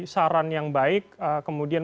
saran yang baik kemudian